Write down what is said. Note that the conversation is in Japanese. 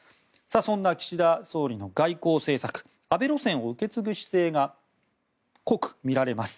そんな岸田総理の外交政策安倍路線を受け継ぐ姿勢が濃く見られます。